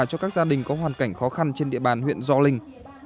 cho các gia đình có hoàn cảnh khó khăn trên địa bàn huyện gio linh